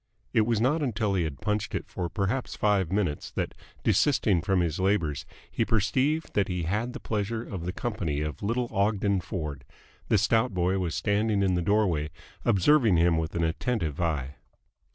It was not until he had punched it for perhaps five minutes that, desisting from his labours, he perceived that he had the pleasure of the company of little Ogden Ford. The stout boy was standing in the doorway, observing him with an attentive eye.